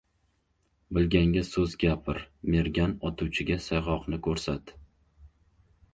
• Bilganga so‘z gapir, mergan otuvchiga sayg‘oqni ko‘rsat.